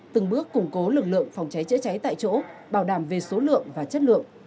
từng bước củng cố lực lượng phòng cháy chữa cháy tại chỗ bảo đảm về số lượng và chất lượng